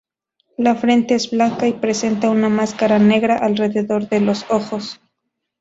La frente es blanca y presenta una máscara negra alrededor de los ojos.